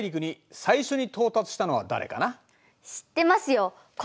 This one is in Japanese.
知ってますよ。